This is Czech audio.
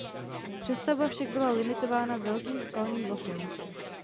Přestavba však byla limitována velkým skalním blokem.